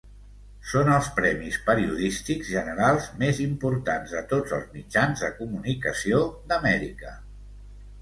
Són els premis periodístics generals més importants de tots els mitjans de comunicació d'Amèrica.